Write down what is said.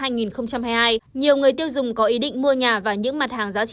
nhiều người tiêu dùng có ý định mua nhà và những mặt hàng giá trung tâm